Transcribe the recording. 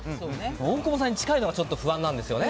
大久保さんに近いのがちょっと不安なんですよね。